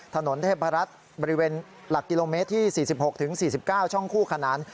ถนนเทพรัฐบริเวณหลักกิโลเมตรที่๔๖๔๙ช่องคู่ขนาน